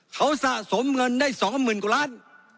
เขาสะสมเงินได้๒๐๐๐กว่าล้าน